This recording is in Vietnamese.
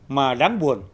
mà đáng buồn